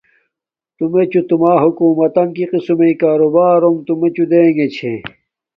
تو میے چوں توما ھکومتن کی قسم میے کاروں بارونݣ تو میے چوں دے گا چھا